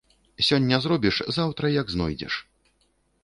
Сёння зробіш – заўтра як знойдзеш